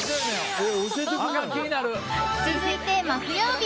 続いて、木曜日。